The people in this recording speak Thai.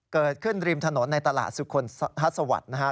เกิดขึ้นริมถนนในตลาดสุขคลสวัสดิ์นะฮะ